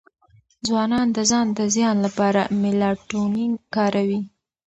ځوانان د ځان د زیان لپاره میلاټونین کاروي.